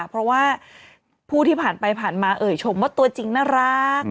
เพราะว่าผู้ที่ผ่านไปผ่านมาเอ่ยชมว่าตัวจริงน่ารัก